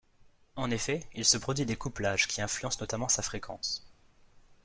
En effet, il se produit des couplages, qui influencent notamment sa fréquence.